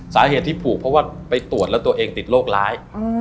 สาเหตุที่ผูกเพราะว่าไปตรวจแล้วตัวเองติดโรคร้าย